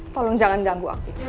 tolong jangan ganggu aku